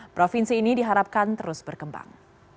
provinsi ini diharapkan terus berkembang